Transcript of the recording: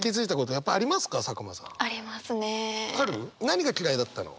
何が嫌いだったの？